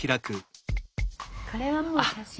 これはもう「写真」って。